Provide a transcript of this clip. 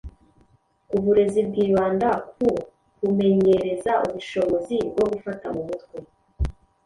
Uburezi bwibanda ku kumenyereza ubushobozi bwo gufata mu mutwe,